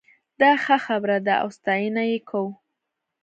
دا ښه خبره ده او ستاينه یې کوو